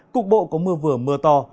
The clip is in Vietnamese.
cục bộ có mưa vừa mưa to